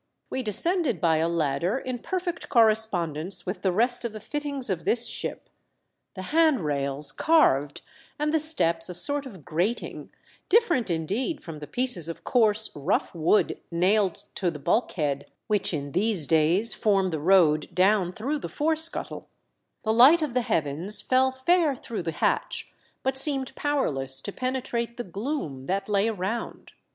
We descended by a ladder in perfect cor respondence with the rest of the fittings of this ship — the hand rails carved, and the steps a sort of grating — different, indeed, from the pieces of coarse, rough wood nailed to the bulkhead, which in these days form the road down through the forescuttle. The 2l8 THE DEATH SHIP. light of the heavens fell fair through the hatch, but seemed powerless to penetrate the gloom that lay around.